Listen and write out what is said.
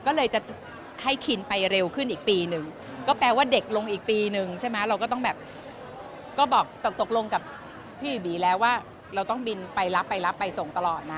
ก็เลยจะให้คินไปเร็วขึ้นอีกปีหนึ่งก็แปลว่าเด็กลงอีกปีนึงใช่ไหมเราก็ต้องแบบก็บอกตกตกลงกับพี่บีแล้วว่าเราต้องบินไปรับไปรับไปส่งตลอดนะ